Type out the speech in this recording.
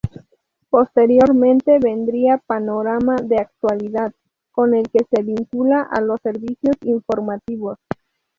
Posteriormente, vendría "Panorama de actualidad", con el que se vincula a los servicios informativos.